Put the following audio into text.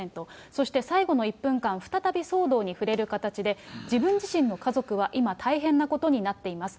そして最後の１分間、再び騒動に触れる形で、自分自身の家族は今、大変なことになっています。